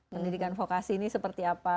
pendidikan vokasi ini seperti apa